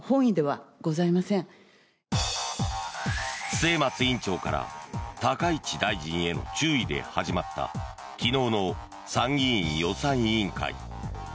末松委員長から高市大臣への注意で始まった昨日の参議院予算委員会。